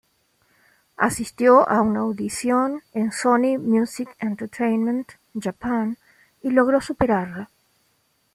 Asistió a una audición en Sony Music Entertainment Japan y logró superarla.